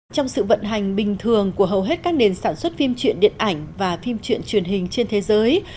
trong sự vận hành bình thường của hầu hết các nền sản xuất phim truyện điện ảnh và phim truyện truyền hình trên thế giới